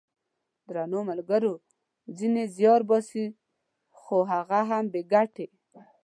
درنو ملګرو ! ځینې زیار باسي خو هغه هم بې ګټې!